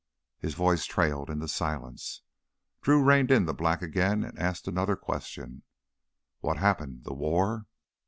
His voice trailed into silence. Drew reined in the black again and asked another question: "What happened ... the war?"